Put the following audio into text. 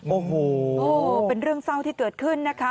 โอ้โหเป็นเรื่องเศร้าที่เกิดขึ้นนะคะ